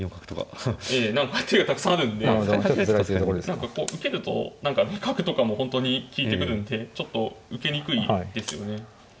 何かこう受けると何か角とかも本当に利いてくるんでちょっと受けにくいですよね。